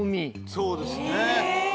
そうですね。